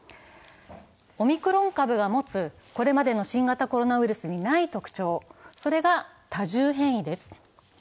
オミクロン株が持つこれまでの新型コロナウイルスにない特徴、それが多重変異です。